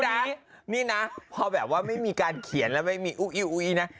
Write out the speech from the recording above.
นี่นะนี่นะพอแบบว่าไม่มีการเขียนแล้วไม่มีอุ๊ยน่ะ